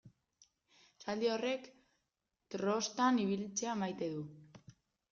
Zaldi horrek trostan ibiltzea maite du.